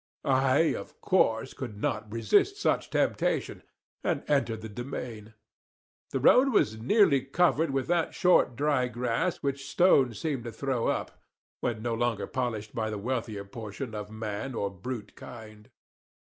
I of course could not resist such temptation, and entered the demesne. The road was nearly covered with that short dry grass which stones seem to throw up, when no longer polished by the wealthier portion of man or brute kind.